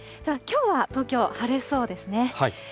ただ、きょうは東京、晴れそうですね。